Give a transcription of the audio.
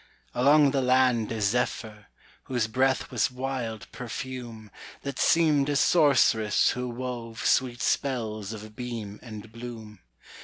Along the land a zephyr, Whose breath was wild perfume, That seemed a sorceress who wove Sweet spells of beam and bloom.